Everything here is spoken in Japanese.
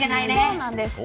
そうなんです。